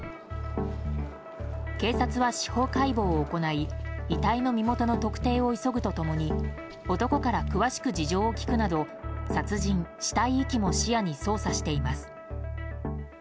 警察は司法解剖を行い遺体の身元の特定を急ぐと共に男から詳しく事情を聴くなど殺人死体遺棄も視野に捜査しています。